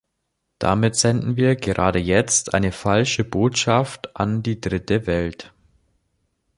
Damit senden wir gerade jetzt eine falsche Botschaft an die Dritte Welt.